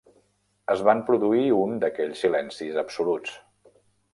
Es va produir un d'aquells silencis absoluts.